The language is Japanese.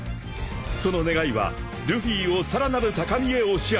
［その願いはルフィをさらなる高みへ押し上げる］